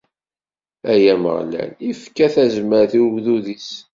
Ameɣlal ifka tazmert i ugdud-is.